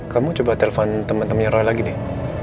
kamu coba telfon temen temennya roy lagi deh